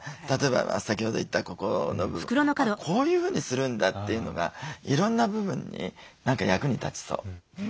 例えば先ほど言ったここの部分あっこういうふうにするんだというのがいろんな部分に何か役に立ちそう。